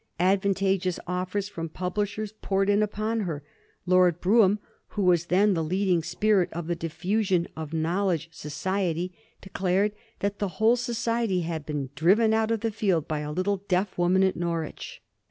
Advantageous offers from publishers poured in upon her. Lord Brougham, who was then the leading spirit of the Diffusion of Knowledge Society, declared that the whole Society had been "driven out of the field by a little deaf woman at Norwich."